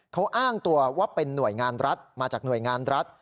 เขาอ้างตัวว่าเป็นหน่วยงานรัฐมาจากหน่วยงานรัฐ